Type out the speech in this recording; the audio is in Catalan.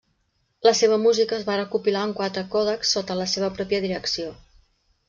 La seva música es va recopilar en quatre còdexs sota la seva pròpia direcció.